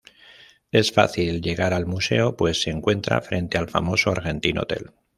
Es fácil llegar al museo, pues se encuentra frente al famoso Argentino Hotel.